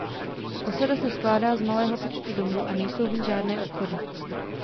Osada se skládá z malého počtu domů a nejsou v ní žádné obchody.